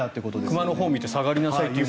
熊のほうを見て下がりなさいって。